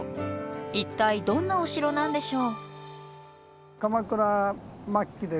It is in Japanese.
一体どんなお城なんでしょう？